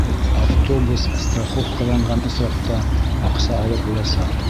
Автобус страховкаланған осраҡта аҡса алып буласаҡ.